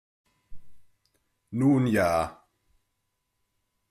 Nun ja.